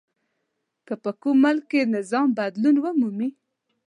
که په کوم ملک کې نظام بدلون ومومي.